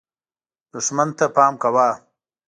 دښمن ته پام کوه .